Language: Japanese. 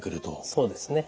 そうですね。